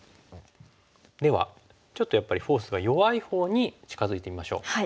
ではちょっとやっぱりフォースが弱いほうに近づいてみましょう。